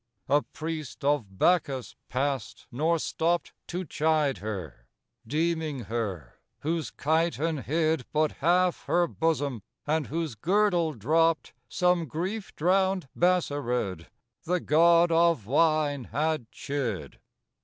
II A priest of Bacchus passed, nor stopped To chide her; deeming her whose chiton hid But half her bosom, and whose girdle dropped Some grief drowned Bassarid, The god of wine had chid.